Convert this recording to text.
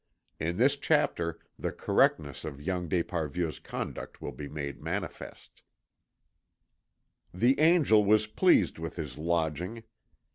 IN THIS CHAPTER THE CORRECTNESS OF YOUNG D'ESPARVIEU'S CONDUCT WILL BE MADE MANIFEST The angel was pleased with his lodging.